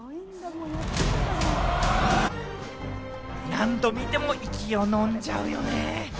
何度見ても息をのんじゃうよね。